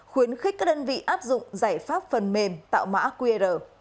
khuyến khích các đơn vị áp dụng giải pháp phần mềm tạo mã qr